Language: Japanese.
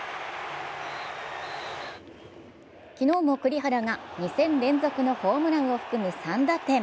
昨日も、栗原が２戦連続のホームランを含む３打点。